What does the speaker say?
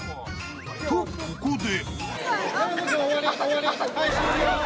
［とここで］